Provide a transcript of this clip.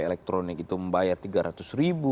elektronik itu membayar rp tiga ratus